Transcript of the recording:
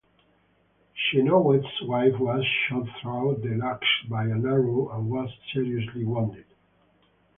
Chenoweth's wife was shot through the lungs by an arrow and was seriously wounded.